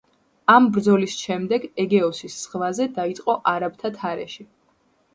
ამ ბრძოლის შემდეგ ეგეოსის ზღვაზე დაიწყო არაბთა თარეში.